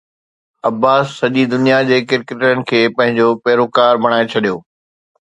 عباس سڄي دنيا جي ڪرڪيٽرن کي پنهنجو پيروڪار بڻائي ڇڏيو